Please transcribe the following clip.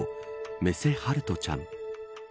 目瀬陽翔ちゃん。